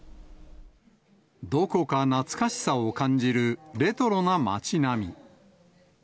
どこか懐かしさを感じるレトロな町並み。